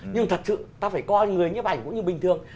nhưng thật sự ta phải coi người nhiễm ảnh cũng như bình thường